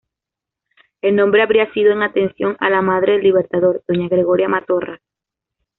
El nombre habría sido en atención a la madre del libertador, doña Gregoria Matorras.